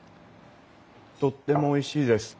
とってもおいしいです。